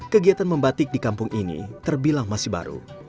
kegiatan membatik di kampung ini terbilang masih baru